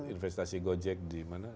investasi gojek di mana